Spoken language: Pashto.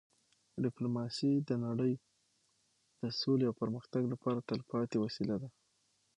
ډيپلوماسي د نړی د سولې او پرمختګ لپاره تلپاتې وسیله ده.